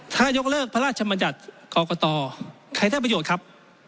ถ้ายกเลิกพระราชมัญญัติกรกตใครได้ประโยชน์ครับ